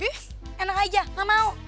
ih enak aja nggak mau